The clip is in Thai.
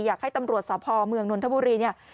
อยากให้ตำรวจสพเมืองนนทบุรีเนี่ย